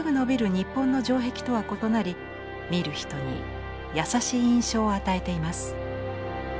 日本の城壁とは異なり見る人に優しい印象を与えています。